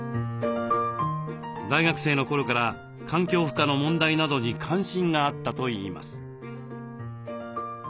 大学生の頃から環境負荷の問題などに関心があったといいます。